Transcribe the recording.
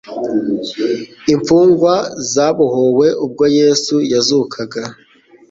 imfungwa zabohowe ubwo Yesu yazukaga.